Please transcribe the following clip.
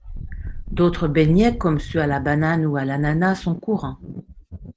D'autres beignets comme ceux à la banane ou à l'ananas sont courants.